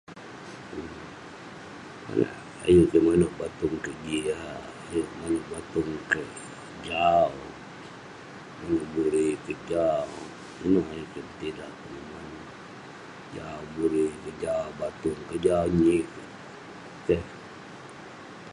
konak ayuk kik manouk batung kik jiak, ayuk manouk batung kik jau, manouk buri kik jau, ineh ayuk kik petidah penguman..jau buri kik, jau batung kik, jau nyik kik, keh.